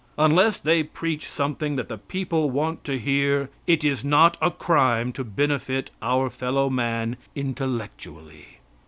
Unless they preach something that the people want to hear, it is not a crime to benefit our fellow man intellectually.